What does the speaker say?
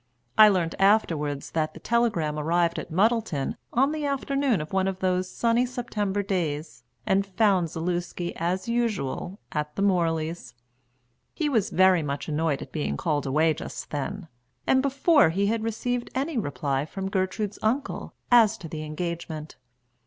I learnt afterwards that the telegram arrived at Muddleton on the afternoon of one of those sunny September days and found Zaluski as usual at the Morleys. He was very much annoyed at being called away just then, and before he had received any reply from Gertrude's uncle as to the engagement.